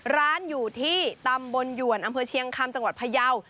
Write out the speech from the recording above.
ร้านอยู่ที่ตำบลหยวนอำเภอเชียงคำจังหวัดพยาว